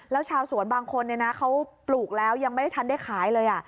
แล้วชาวสวนบางคนเขาปลูกแล้วยังไม่ได้ทันได้ขายเลย